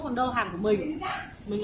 không đâu hàng của mình